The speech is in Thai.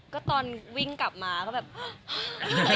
ก็ตอนวิ่งกลับมาก็แบบ